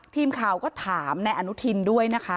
ทีมข่าวก็ถามนายอนุทินด้วยนะคะ